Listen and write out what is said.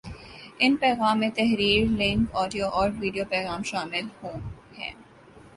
ان پیغام میں تحریر ، لنک ، آڈیو اور ویڈیو پیغام شامل ہو ہیں